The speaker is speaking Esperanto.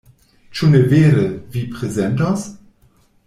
Ĉu ne vere, vi prezentos?